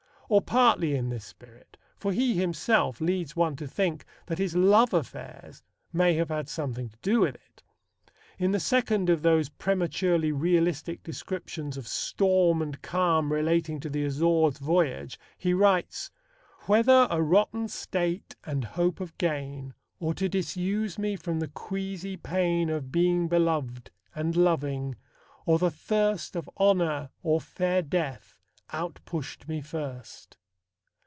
Or partly in this spirit, for he himself leads one to think that his love affairs may have had something to do with it. In the second of those prematurely realistic descriptions of storm and calm relating to the Azores voyage, he writes: Whether a rotten state, and hope of gain, Or to disuse me from the queasy pain Of being belov'd, and loving, or the thirst Of honour, or fair death, out pusht me first.